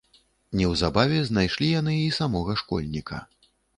Неўзабаве знайшлі яны і самога школьніка.